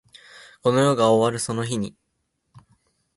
この世が終わるその日に